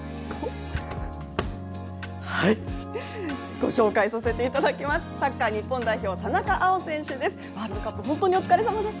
ご紹介させていただきます、サッカー日本代表、田中碧選手です。